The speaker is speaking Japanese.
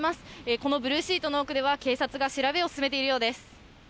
このブルーシートの奥では警察が調べを進めているようです。